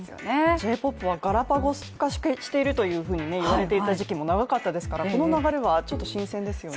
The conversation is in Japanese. Ｊ‐ＰＯＰはガラパゴス化していると言われていた時期も長かったですからこの流れはちょっと新鮮ですね。